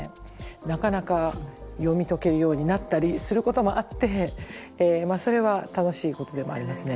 なかなか読み解けるようになったりすることもあってまあそれは楽しいことでもありますね。